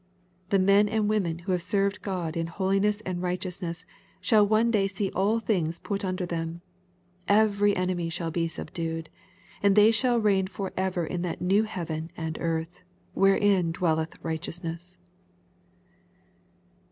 The men and women who have served God in " holiness and righteousness" shall one day see all things put under them. Every enemy shall be subdued, and they shall reign forever in that new heaven and earth, wherein dwelleth righteousness.